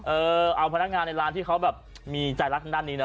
เออเอาพนักงานในร้านที่เขาแบบมีใจรักทางด้านนี้เน